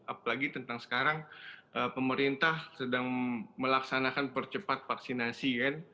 apalagi tentang sekarang pemerintah sedang melaksanakan percepat vaksinasi kan